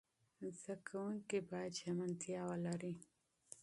زده کوونکي باید ژمنتیا ولري.